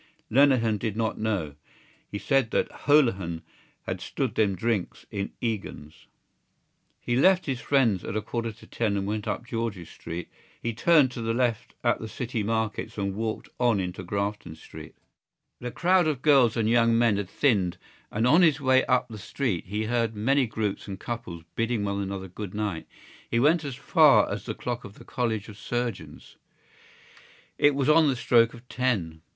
Lenehan did not know: he said that Holohan had stood them drinks in Egan's. He left his friends at a quarter to ten and went up George's Street. He turned to the left at the City Markets and walked on into Grafton Street. The crowd of girls and young men had thinned and on his way up the street he heard many groups and couples bidding one another good night. He went as far as the clock of the College of Surgeons: it was on the stroke of ten.